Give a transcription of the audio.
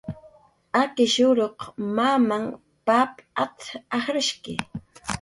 "Akishuruq mamahn pap at"" ajrshki"